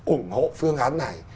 ủng hộ phương án này